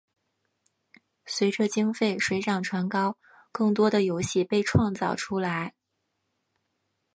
随着经费水涨船高更多的游戏被创造出来。